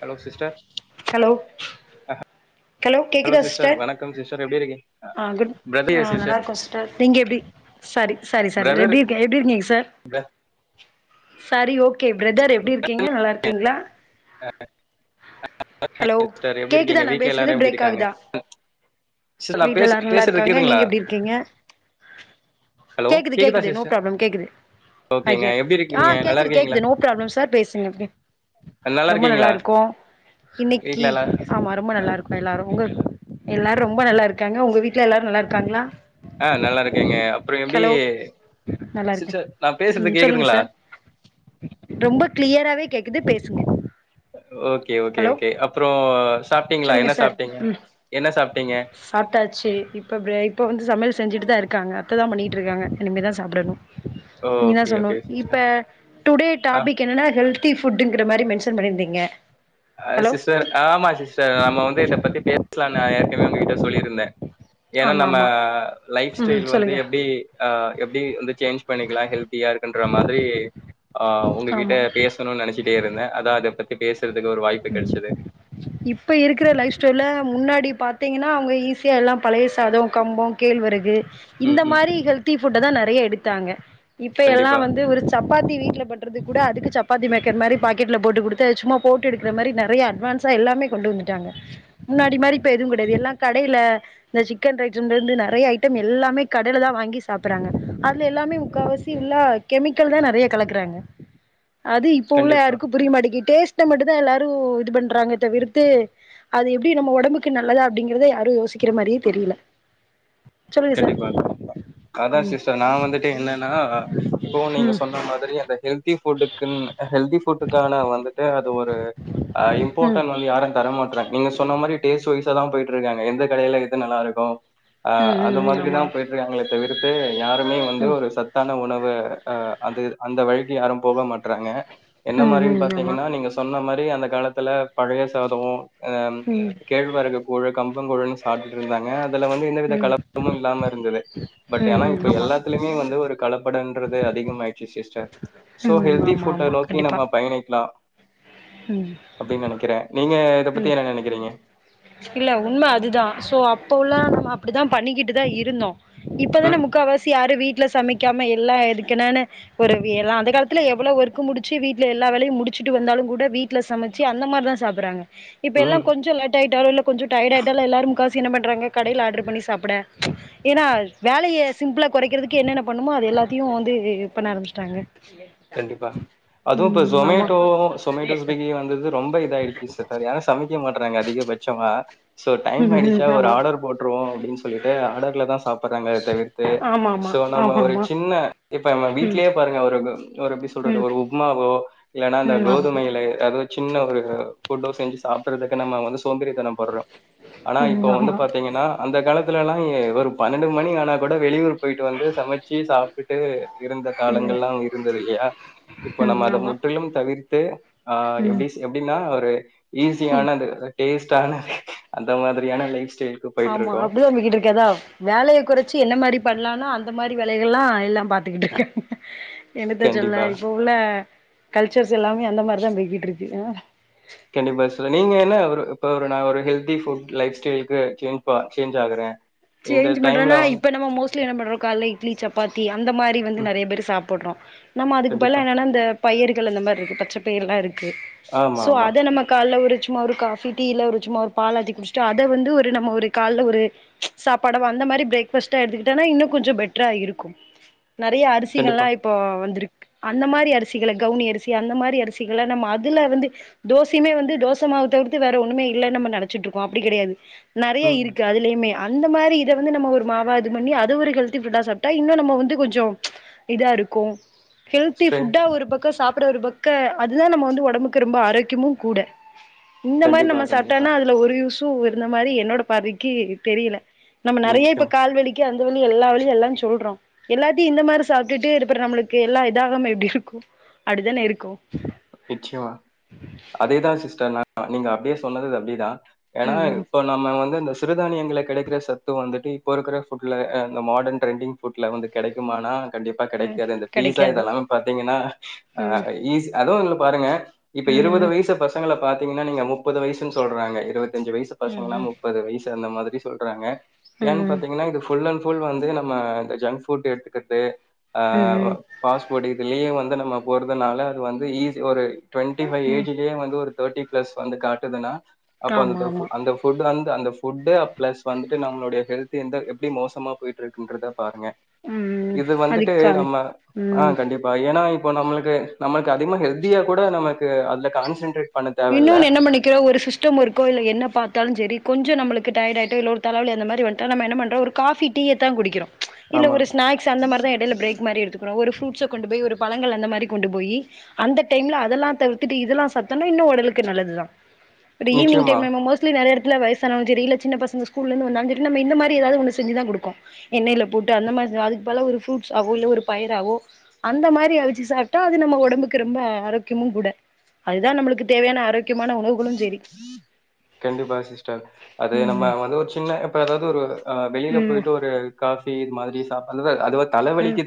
Hello sister hello அஹ hello sister வணக்கம் sister எப்டி இருக்கீ அ குட் அ நல்லார்க்கோ சிஸ்டர் நீங்க எப்டி சாரி சாரி சாரி எப்டி எப்டி இருக்கீங்க சார் க கே ப்ரதர் எப்டி இருக்கீங்க நல்லார்க்கீங்களா ஹலோ சிஸ்டர் எப்டி கேக்குதா இருக்கீங்க நா வீட்ல பேச்றது எல்லாரு எப்டி பரேக் இருக்காங்க ஆகுதா சிஸ்டர் நா வீட்ல பேச எல்லாரு பேசுறது நல்லார்க்காங்க கேக்குதுங்களா நீங்க எப்டி இருக்கீங்க ஹலோ கேக்குது கேக்குதா கேக்குது நோ சிஸ்டர் பராப்ளம் கேக்குது ஐ ஓகேங்க ஆர் எப்டி ஆ இருக்கீங்க நல்லா கேக்குது இருக்கீங்களா கேக்குது நோ ப்ராப் ஹலோ சார் பேசுங்க அப்டே நல்லா ரொம்ப இருக்கீங்களா நல்லார்கோ இன்னக்கி வீட்ல எல்லா ஆமா ரொம்ப நல்லார்க்கோ எல்லாரு உங்கள்க் எல்லாரு ரொம்ப நல்லா இருக் க்காங்க உங்க வீட்ல எல்லாரு நல்லார்க்காங்களா அ நல்லா இருக்கேங்க அப்ற எப்டி நல்லா இருக்க சிஸ்டர் நா பேசுறது ம் சொல்லுங்க கேக்குதுங்களா சார் க்குது பேசுங்க ஓகே ஓகே ஹலோ ஓகே அப்புறோ சாப்ட்டீங்களா சொல்லுங்க என்ன சார் சாப்ட்டீங்க என்ன சாப்ட்டீங்க தாச்சு இப்ப ப்ரேக் இப்ப வந்து சமையல் செஞ்சிட்டு தா இருக்காங்க அத்ததா பண்ணிகிட்டு இருக்காங்க இனிமே தா சாப்புடணு நீங்க தா ஓகே ஓகே சொல்லனு இப்ப சிஸ்டர் டுடே ஆ டாப்பிக் என்னன்னா ஹெல்தி ஃபுட்டுங்ற மாரி மென் சர் பன்னீர்ந்தீங்க அ சிஸ்டர் ஆமா சிஸ்டர் நம்ம வந்து இத பத்தி பேசலா [unintelligible] [unintelligible] ஒங்ககிட்ட சொல்லியிருந்தே ஏன்னா ஆமா நம்ம ஆமா லைஃப் ம் ஸ்டைல் வந்து சொல்லுங்க எப்டி அ எப்டி வந்து சேஞ்ச் பண்ணிக்கலா ஹெல்தியா இருக்குன்ற மாதிரி அ உங்ககிட்ட ஆமா பேசணுன்னு நனைச்சிட்டே இருந்தே அதா அத பத் பேசறத் இப்ப இருக்கிற லைஃப் ஸ்டைல முன்னாடி பாத் த்தீங்கன்னா அவுங்க ஈஸியா எல்லாம பழய சாதோ கம்போ கேழ்வரகு இந்த ம் ம் மாரி ஹெல்தி ஃப் ஃபுட்டதா நெறையா எடுக் தாங்க இப்ப எல்லா கண்டிப்பா வந்து ஒரு சப்பாத்தி வீட்ல பண்றது கூட அதுக்கு சப்பாத்தி மேக் கென் மாரி பாக்கெட்ல போட்டு குடுத் ச்சும்மா போட்டு எடுக்குற மாரி நெறைய அட்வான்ஸா எல்லாமே கொண்டு வந்துட்டாங்க முன்னாடி மாரி இப்ப எதுவும் கிடையாது எல்லாம் கடையில இந்த சிக்கன் ரைஸ்லருந்து நெறைய ஐட்டம் எல்லாமே கடையில தான் வாங்கி சாப்பிட்றாங்க அதுல எல்லாமே முக்காவாசி இல்லா கெமிக்கல்தான் நெறைய கலக்குறாங்க அது இப்ப உள்ள கண்டிப்பா யார்க்கும் புரியமாட்டிங்கித்து டேஸ்ட மட்டுந்தான் எல்லாரும் இது பண்றாங்க தவிர்த்து அது எப்டி நம்ம ஒடம்புக்கு நல்லதா அப்படிங்கறத யாரும் யோசிக்கிற மாரியே தெரில கண்டிப்பா கண்டிப்பா அதான் சிஸ்டர் நான் வந்துட்டு என்னன்னா இப்போ நீங்க ம் சொன்ன மாதிரி அந்த ஹெல்தி ஃபுட்டுக்குன்னு அ ஹெல்தி ஃபுட்டுக்கான வந்துட்டு அது ஒரு ம் இம்பார்ட்டன் வந்து யாரும் தரமா ட்ராங்க நீங்க சொன்ன மாதிரி டேஸ்ட் வைசாதான் போயிட்ருக்காங்க எந்த கடையில எது நல்லாருக்கும் அ ம் ம் அந்த ம் மாதிரி ஆமா தான் போயிட்ருக்காங்களே தவிர்த்து யாருமே வந்து ஒரு சத்தான உணவு அந்த அந்த வழிக்கு யாரும் போக மாட்டறாங்க என்ன ம் மாதின்னு ம் ஆமா பாத்தீங்கன்னா நீங்க சொன்ன மாதிரி அப்டி அந்த காலத்துல பழைய சாதம் அஹ ம் கேழ்வரகு கூழ் கம்ம கூழ் சாப்பிட்டு இருந்தாங்க வந்து இந்தவித ம் காலம் எதும் இல்லாம இருந்தது பட் ம் ஏன்னா ம் இப்ப ஆமா எல்லாத்துயுமே வந்து ஒரு கல பட் என்றது அதிகம் ஆயிடுச்சு சிஸ்டர் சோ ம் ஹெல்தி ஆமா ஃபுட்டை ஆமா நோக்கி கண்டிப்பா நம்ம பயணிக்கலாம் ம் அப்படின்னு நினைக்கிறேன் நீங்க இத ம் பத்தி என்ன நினைக்கிறீங்க இல்ல உண்மை அதுதான் சோ அப்ப உள்ளல்ல நம்ம அப்படிதான் பண்ணிக்கிட்டு தான் இருந்தோம் இப்பதான ம், முக்கவாசி யாரு வீட்டு வீட்டுல சமைக்காம எல்லா எனக்கு என்னனு ஒரு எல்ல அந்த காலத்துல எவ்வளவு ஒர்க்க முடிச்சு வீட்டுல எல்லா வேலையும் முடிச்சுட்டு வந்தாலும் கூட வீட்டுல சமைச்சு அந்த மாதிரிதான் சாப்பிடுறாங்க இப்ப ம். எல்லாம் கொஞ்சம் ல இப்ப கொஞ்சம் டையர்ட் ஆயிட்டால எல்லாரரும் முக்காவாசி என்ன பண்றாங்க கடையில் ஆர்டர் பண்ணி சாப்பிட ஏன்னா வேலையை சிம்பிளா குறைக்கிறதுக்கு என்னென்ன பண்ணுமோ அது எல்லாத்தையும் வந்து பண்ண ஆரம்பிச்சட்டாங்க கண்டிப்பா அதுவும் இப்ப ஆமா ஜொமேட்டோ சொமேட்டோ ஸ்பிகி வந்தது ரொம்ப இதாயடுச்சு சா சமைக்க மாட்டறாங்க அதிக பச்சமா சோ டைம் ம் ஆயடுச்சா ம் ஒரு ஆமா ஆர்டர் போட்டுருவோம் அப்படின்னு சொல்லிட்டு ஆர்டர்ல தான் சாப்ப பாங்க தவிர்த்து ஆமா ஆமா சோ நம்ம ஆமா ஒரு ஆமா சின்ன இப்ப ம் வீடலயே பாருங்க ஒரு தோ ஒரு எப்டி சொல்றது ம் ஒரு உப்மாவோ இல்லன்னா இந்த ம் ஆமா கோதுமையில அது சின்ன ஒரு ஃபுட்டோ செஞ்சு சாப்பிற்றதுக்கு நம்ம வந்து சோம்பேதிரத்தனோ பட்றோ ஆனா ம் இப்ப வந்து ஆமா பாத்தீங்கன்னா அந்த காலத்து ல்லா ஏ ஒரு பன்னெண்டு மணி ஆனா கூட வெளியூர் போயிட்டு வந்து சமச்சு சாப் பிட்டு இருந்த ம் காலங்கள்லா இல்லையா இப்ப நம்ம ம் அத ஆமா முற்றிலு தவிர்த்து ம் எடி எப்டின்னா ஒரு ஈஸியான அது டேஸ்டான அந்த மாதிரியான லைஃப் ஸ்டைலுக்கு ஆமா போயிட்ருக்கோம். அப்டிதா போய்க்கிட்ருக்கு வேலய குறைச்சி என்ன மாரி பண்ணலாம்னா அந்த மாரி வேலைகள்லா எல்லா பாத்துக்கிட்டு இருக்கே என்னத சொல்ல கண்டிப்பா. இப்ப உள்ள கல்ச்சர்ஸ் எல்லாமே அந்த மாரிதா போயக்கிட்ருக்கு கண்டிப்பா சோ நீங்க என்ன ஒரு இப்ப ஒரு நா ஒரு ஹெல்தி ஃபுட் லைப் ஸ்டைலுக்கு சேஞ் சேஞ்ச் ஆகறே சேஞ்ச் பண்றேன்னா இப்ப நம்ம மோஸ்ட்லி என்ன பண்றோ கால இட்லி சப்பாத்தி அந்த மாரி வந்து ம். நரய பேரு சாப்பிட்றோ நம்ம அதுக்கு பிலா கண்டிப்பா. என்னன்னா இந்த பயிர்கள் அந்த மாரி இருக்கு பச்ச பெயிரலா இருக்கு கு ஆமா, சோ ஆமா. அத நம்ம கால்ல உரிச் சும்மா ஒரு காஃபி டீ ஒரு சும்மா ஒரு பால் ஆத்தி குடிச்சிட்டு அத வந்து ஒரு நம்ம ஒரு கால்ல ஒரு சாப்பாடவோ அந்த மாரி பிரேக்ஃபாஸ்டா எடுத்துக்கிட்டனா இன்னு கொஞ்ச பெட்டரா இருக்கு நறையா கண்டிப்பா. அரிசிகள்லா இப்போ வந்திருக் அந்த மாரி அரிசிகள கவுனி அரிசி அந்த மாரி அரிசிகள நம்ம அதுல வந்து தோசையுமே வந்து தோசமாவ தவிர்த்து வேற ஒண்ணுமே இல்லன்னு நம்ம நனச்சிட்ருக்கோ அப்டி கடையாது நறையா ம். இருக்கு அதுலயுமே அந்த மாரி இத வந்து நம்ம ஒரு மாவா இது பண்ணி அது ஒரு ஹெல்த்தி ஃபுட்டா சாப்ட்டா இன்னு நம்ம வந்து கொஞ்சோ இதா இருக்கு ஹெல்தி ஸ்ட்ரென்த். ஃபுட்டா ஒரு பக்கோ சாப் அப்றோ ஒரு பக்க அதுதா நம்ம வந்து உடம்புக்கு ரொம்ப ஆரோக்கியமு கூட இந்த மாரி கண்டிப்பா, நம்ம கண்டிப்பா. சாப்ட்டோன்னா அதுல ஒரு யூஸ் சூ இருந்த மாதிரி என்னோட பார்வைக்கு தெரியல நம்ம நிறைய இப்ப நிச்சயமா, கால்வலிக்கு அந்த வழி எல்லா வழியும் எல்லாம்சொல்றோம் எல்லாத்தையும் இந்த மாதிரி சாப்பிட்டுட்டு இருப்பற நம்மளுக்கு எல்லா இதாகம எப்படி இருக்கும் அப்படிதானே இருக்கும் நிச்சயமா அதேதான் சிஸ்டர் நீங்க அப்படியே சொன்னது அப்படிதான் ஏன்னா ம் ம் இப்போ நம்ம வந்து இந்த சிறுதானியங்களை கிடைக்கிற சத்து வந்துட்டு இப்போ இருக்கிற ஃபுட்டில் அ இந்த மாடர்ன் ட்ரெண்டிங் ஃபுட்டில் வந்து கிடைக்குமான்னா கண்டிப்பா ம் கிடைக்காது இந்த பீஸா கெடைக்காது இதெல்லாமே பாத்தீங்கன்னா ம் ஈஸ்ட் அதுவும் பாருங்க இப்ப இருபது ம் ம் வயசு பசங்களை பாத்தீங்கன்னா நீங்க முப்பது வயசுன்னு சொல்றாங்க இருபத்தி இருபது அஞ்சுவயசு பசங்கன்னா ம் முப்பது வயசு அந்த மாதிரி சொல்றாங்க ஏன்னு ம் பாத்தீங்கன்னா இது புலன் ஃபுல் வந்து நம்ம இந்த ஜங்க் ஃபுட் எடுத்துக்கிறது ம் ஆஹ் ம் பாஸ்புட் இதுலயே வந்து நம்ம போறதுனால அது வந்து ஈஸி ஒரு டுவெண்டி ஃபைவ் ம் ஏஜ்லே வந்து ஒரு த்தெட்டி பிளஸ் வந்து காட்டுதுன்னா அப்ப அந்த ஆமா ஆமா அந்த வ அந்த ஃபுட்டு பிளஸ் வந்து நம்மளுடைய ஹெல்த் எந்த எப்டி மோசமா போயிட்டு இருக்குன்றத பாருங்க ம் இது வந்துட்டு அதுக்கான நம்ம ம் ஆஹ் கண்டிப்பா ஏன்னா ப்போ நம்மளுக்கு நம்மளுக்கு அதிகமா ஹெல்த் தியா கூட நமக்கு அதுல கான்சன்ட்ரேட் பண்ண தேவையில்ல. இன்னும்ன்ன என்ன பண்ணிக்குற ஒரு சிஸ்டம் இருக்கோ இல்ல என்ன பாத்தாலும் ச்சேரி கொஞ்சோ நம்மளுக்கு டயர்டாயிட்டா இல்ல ஒரு தலவலி அந்த மாதிரி வந்துட்டா நம்ம என்ன பண்ணுறோ ஒரு காபி டிய தா குடிக்குறோ இல்ல ஆமா, ஒரு ஸ்நாக்ஸ் அந்த மாதிரி தா எடயில பிரேக் மாரி எடுத்துக்குறோ ஒரு ஃப்ரு ட்ஸ கொண்டு போய் ஒரு பழங்கள் அந்த மாரி கொண்டு போயி அந்த டைம்ல அதெல்லா தவிர்த்துட்டு இதெல்லா சத்தான இன்னும் உடலுக்கு நல்லதுதான் ஒரு ஈவினிங் நிச்சயமா. டைம் நம்ம மோஸ்லி நறைய த்துல வயிசானாலு சேரி இல்ல சின்ன பசங்க ஸ்கூல்ல இருந்து வந்தாலு சேரி நம்ம இந்த மாரி எதாவது ஒன்னு செஞ்சுதா குடுக்கோ எண்ணெயில போட்டு அந்த மாரிதா அதுக்கு பதிலா ஒரு ஃப்ரூட்ஸ் ஆவோ இல்ல ஒரு பயிராவோ அந்த மாரி அவிச்சு சாப்டா அது நம்ம ஒடம்புக்கு ரொம்ப ஆரோகியமுங் கூட அது தா நம்ளுக்கு தேவையான ஆரோக் கண்டிப்பா சிஸ்டர் அது நம்ம ம் வந்து ஒரு சின்ன இப்ப எதாவது ஒரு ஆ வெளியில ம் போயிட்டு ஒரு காஃபி இது மாதிரி ஷாஃப் அந்துதா அது வந் ம்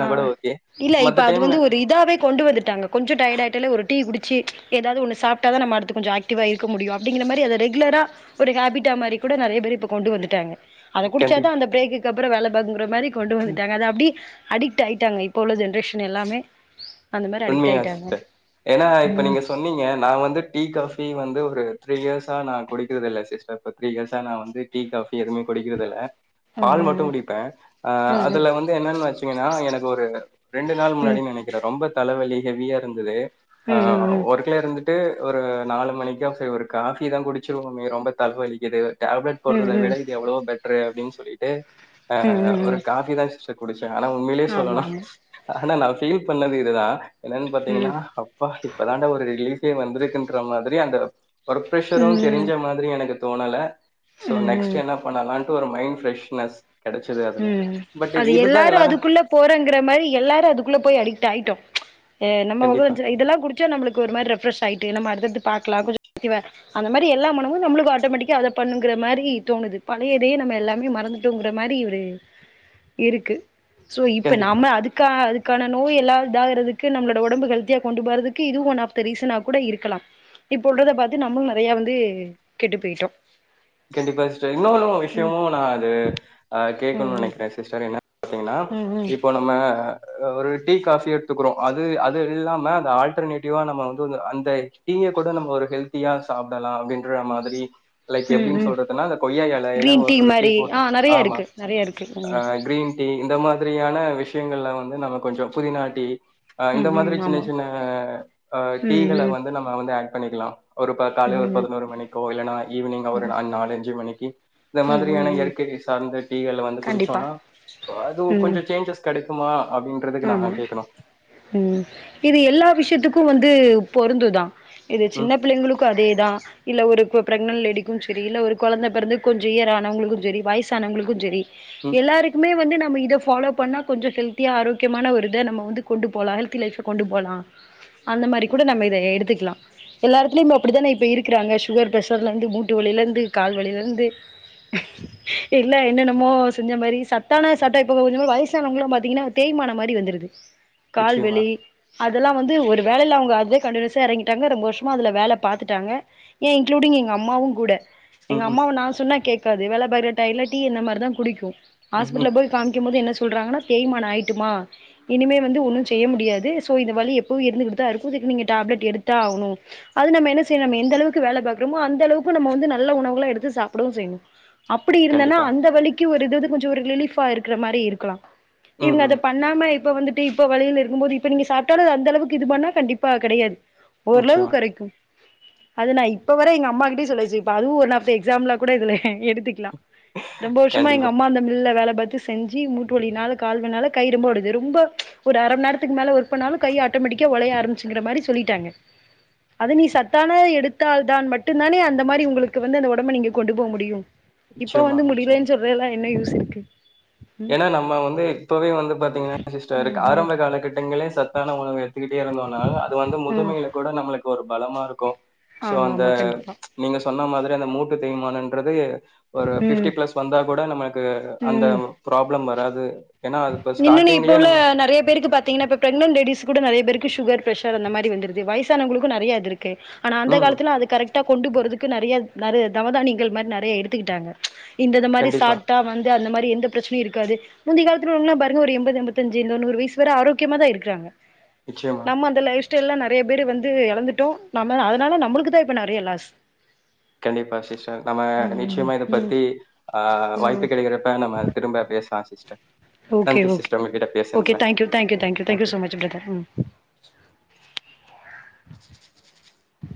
ஆ ஓகே. இல்ல இப்ப மத்த அது டைம்ல வந்து ஒரு இதாவே கொண்டு வந்துட்டாங்க கொஞ்சோ டயடாயிட்டாலே ஒரு டீ குடு ச்சு எதாவது ஒன்னு சாப்டாதா நம்ம அடுத்து கொஞ்சோ ஏக்டிவா இருக்க முடியு அப்டிங்கிற மாரி அத ரெகுலரா ஒரு ஹேபிட்டா மாரி கூட நறையா பேர் இப்போ கொண்டு வந்துட்டாங்க அத குடுச்சாதா கண்டிப் அந்த பிரேக்குக்கப் அப்புறோ வேல பாக்குங்குற மாரி கொண்டு வந்துட்டாங்க அத அப்டி அடிக்ட் ஆயிட்டாங்க இப்போ உள்ள ஜென்ரேஷன் எல்லாமே அந்த மாரி அடிக்ட் உண்மையா ஆயிட்டாங்க சிஸ்டர் ஏன்னா இப்ப நீங்க சொன்னீங்க நா வந்து டீ காஃபி வந்து ஒரு த்ரீ இயர்ஸா நா குடிக்கிறது இல்ல சிஸ்டர் இப்ப த்ரீ இயர்ஸா நா வந்து டீ காஃபி எதுமே குடிக்கிறதில்ல பால் மட்டு ம் குடிப்ப அ ம் அதுல வந்து என்னன் வெச்சீங்கன்னா எனக்கு ஒரு ரெண்டு நாள் முன்னாடி ம் நெனைக்கிற ரொம்ப தலைவலி ஹெவியா இருந்தது ஆ ம் ம் ஒருக்குல இருந்துட்டு ஒரு நாலு மணிக்கா சேரி ஒரு காஃபிதா குடுச்சுருவோமே ரொம்ப தலவலிக்குது டேப்லெட் ம் ம் ம் ம் போடுறது ம் ம் விட இது எவ்ளோ பெட் றே அப்டின் சொல்லிட்டு ஆ ம் ஒரு ம் காஃபிதா சிஸ்டர் குடுச்ச ஆனா உண்மையிலயே ஆமா சொல்ணுனா ஆமா ஆனா நா ஃபீல் பண்ணவே இதுதா என்னன் பாத்தீங்கன்னா ம் அப்பா இப்ப தாண்ட ஒரு ரிலீஃபே வந்துருக்குன்ற மார் செரியா அந்த ஒர்க்ப்ரெஷரும் ம் தெருஞ்ச மாதிரி எனக்கு தோணல சோ ம் ம் நெக்ஸ்ட் என்ன பண்ணலான் ட்டு ஒரு மைண்ட் ஃப்ரெஷ்னஸ் கிடைச்சது உ அதுல. பட் அது இதுதான் எல்லாரு எல்லாரும் அதுக்குள்ள போறங்கிற மாரி எல்லாரு அதுக்குள்ள போய் அடிக்ட் ஆயிட்டோ அ நம கண்டிப்பா, [unintelligible] இதெல்லா குடிச்சா நம்ளுக்கு ஒருதிரி ரெஃபீரெஷ் ஆயிட்டு நம்ம அடுத்தத்து பாக்லா கொஞ்சோ [unintelligible] அந்த மாரி எல்லா மனமு நம்ளுக்கு ஆட்டோமேட்டிக்கா அத பண்ணுங்கர மாதிரிதோணுது பழய இதயே நம்ம எல்லாமே மறந்துடுங்ர மாதிரி து இருக்கு சோ இப்ப கண்டிப்பா. நம்ம அதுக்காக அது இதுக்கான நோய் எல்லா இதாகறதுக்கு நம்மளோட உடம்பு ஹெல்தியா கொண்டு போறதுக்கு இதுவு ஒன் ஆஃப் த ரீசனா கூட இருக்கலா இப்போல்றத பாத்து நம்மு நறைய வந்து கெட்டு போயிட்டோ கண்டிப்பா சிஸ்டர் இன்னொன்னு ம் விஷயமு நா அது ஆ ம் கேக்குனும்னு ம் நனைக்கிறே சிஸ்டர் என்ன பாத்தீங்கன்னா ம் ம் இப்போ நம்ம ஹ ஒரு டீ காஃபி எடுத்துக்கிறோ அது அது இல்லாம அந்த ஆல்டர்னேட்டிவா நம்ம வந்து அந்த டீய கூட நம்ம ஒரு ஹெல்த்தியா சாப்பிட்லா அப்டின்ற மாதிரி ம் எப்டின்னு ம் ம் சொல்றதுன்னா அ கொய்யா எலையில கிரீன் ஒரு டீ மாரி போட்டு ஆ நெறைய ஆமா இருக்கு நெறைய இருக்கு ம் கிரீன் டீ இந்த மாதிரி மாதிரியான விஷயங்கள்ல வந்து நம்ம கொஞ்ச புதிநாட்டி அ இந்த ம் மாதிரி ம் சின்ன ஆமா சின்ன அ ம் டீகள ம் வந்து நம்ம வந்து ஆ பண்ணிக்கலா ஒருபா காலேல ஒரு ம் பதினோரு மணிக்கோ இல்லைன்னா ஈவினிங் ஒரு அ நாலஞ்சு மணிக்கு இந்த ம் ம் மாதிரியான ம் இயற்கைக்கு சார்ந்த டி கண்டிப்பா குடிச்சோனா அது கொஞ்ச ம் சேஞ்சஸ் கடைக்குமா ஆமா உ இது எல்லா விஷயத்துக்கு வந்து பொருந்துதா இது ம் சின்ன பிள்ளைங்களுக்கு அதே தா இல்ல ஒரு ப்ரக்னன்ட் லேடிக்கு செரி இல்ல ஒரு கொலந்த பெறந்து கொஞ்ஜோ இயர் ஆனவங்களுக்கு செரி வயசானவங்களுக்கு செரி ம் எல்லாருக்குமே வந்து நம் இத ஃபாலோ பண்ணா கொஞ்ஜோ ஹெல்தியா ஆரோக் ஆரோக்கியமான ஒரு இத நம்ம வந்து கொண்டு போலா ஹெல்த்தி லைஃப கொண்டு போலா அந்த மாரி கூட நம்ம இத எடுத்துக்குலா எல்லா எடத்துலயு இப்ப அப்டித்தானே இருக்கிறாங்க சுகர் ப்ரெஷர்ல இருந்து மூட்டு வலியில இருந்து கால் வலியில இருந்து எல்ல என்னன்னமோ செஞ்ச மேரி சத்தான சட்ட இப்ப கொஞ்ஜோ வயசானவங்களா பாத்திங்கன்னா தேய்மானோ மாரி வந்துருது கால் நிச்சயமா வலி அதெல்லா வந்து ஒரு வேலயில அவுங்க அதுவே கண்டினியூஸா எறங்கிட்டாங்க ரொம்ப வருஷமா அதுல வேல பாத்துட்டாங்க ஏ இன்க்ளூடிங் எங்க அம்மாவு கூட எங்க ம் ம் அம்மாவ நா சொன்னா கேக் க்காது வேல பாகுற டைட்ல டீ இந்த மார் தா குடிக்கு ம் ஆஸ்பிட்டல ம் போயி காமிக்கும் போது என்ன சொல்றாங்கனா தேய்மான ஆயி ட்டுமா இனிமே வந்து ஒன்னு செய்ய முடியாது சோ இந்த வலி எப்பவு இருந்துகிட்டு தா இருக்கு இதுக்கு நீங்க டேப்லெட் எடுத்தா ஆகனு அது நம்ம என்ன செய்ய நம்ம எந்த அளவுக்கு வேல பாக்குறோமோ அந்த அளவுக்கு நம்ம வந்து நல்ல உணவுகள எடுத்து சாப்டவு செய்னு அப்புடி இருந்தன்னா கண்டிப்பா அந்த வலிக்கு ஒ ருதுது கொஞ்சொ ஒரு ரிலீஃபா இருக்குற மாரி இருக்கலா ம் ம் ப்பமே இப்ப வந்துட்டு இப்ப வலில இருக்கும் போது இப்ப நீங்க சாப்டாலு அது அந்தளவுக்கு இது பண்ணா கண்டிப்பா கெடையாது ஓரளவு நிச்சயமா கொறைக்கு அது நா இப்ப வர எங்க அம்மா கிட்டே சொல்யாச்சு இப்ப அதுவு ஒன் ஆஃப் த எக்ஸாம்புலா கூட இதுல எடுத்துக்லா ரொம்ப வர்ஷமா எங்க கண்டிப்பா அம்மா அந்த மில்ல வேல பாத் து செஞ்சு மூட்டு வலினால கால் வலினால கை ரொம்ப வடுது ரொம்ப ஒரு அர மண் நேரத்துக்கு மேல ஒர்க் பண்ணாலு கை ஆட்டோ மேட்டிக்கா ஒலைய ஆரம்மிச்சுங்கிற மாரி சொல்லிட்டாங்க அத நீ சத்தான எடுத்தால் தான் மட்டுந்தானே அந்த மாரி உங்களுக்கு வந்து அந்த ஒடம்ப நீங்க கொண்டு போ முடியு இப்ப நிச்சயமா வந்து முடியலேன் சொல்றேல்ல என்ன யூஸ் இருக்கு ஏனா நம்ம வந்து இப்பவே வ ந்து பாத்தீங்கனா சிஸ்டர் ம் ம் ஆரம்ப காலகட்டங்களே சத் தான உணவு எடு த்துகிட்டே இருந்தோனா அது வந்து ம் முதுமைல கூட நம்ளுக்கு ஒரு பலமா இருக்கு சோ ஆமா அந்த ஆமா கண்டிப்பா நீங்க சொன்ன மாதிரி அந்த மூட் டு தேய்மானன்றது ஒரு ஃபிஃப்டி ம் ப்ளஸ் வந்தா கூட நம்மளுக்கு அந்த ப்ராப்ளம் வராது ஏன்னா அது இப்ப இன்னு நீ இப்ப ஸ்டார்டிங்லயே உள்ள நம்ம நறைய பேருக்கு பாத்தீங்கனா இப்ப பிரெக்னன் லேடிஸ் கூட நெறைய பேருக் கு ஷுகர் பிரஷர் அந்த மாரி வந்துருது வயசானவுங்ளுக்கு நறையா இது இரு க்கு ஆனா அந்த ம் காலத்துல அது கரெக்டா கொண்டு போறதுக்கு நறைய நற தவதானியங்கள் மாரி நறைய எடுத்துக்கிட்டாங்க இந்தத மாரி கண்டிப்பா சாப்டா வந்து அந்த மா எந்த பிரச்சனையு இருக்காது முந்தைய காலத்துள்ளவங்களா பார் என்ன ஒரு எண்பது எம்பத்தஞ்சு இன்னு நூறு வயிசு வர ஆரோக்கியமாதா இருக்குறாங்க நிச்சயமா நம்ம அந்த லைஃப்ஸ் ஸ்டெயில்லா நறையா பேரு வந்து எழந்துட்டோ நம்ம அதனால நம்மளுக்குதா இப்ப நறையா லாஸ் கண்டிப்பா சிஸ்டர் நம்ம ம் நிச்சயமா இத ம் பத்தி ஆ ம் வாய்ப்பு கெடைக்கிறப்ப நம்ம திரும்ப பேசலா sis okay okay okay thank you thank you thank you thank you so much brother ம் [inaudible]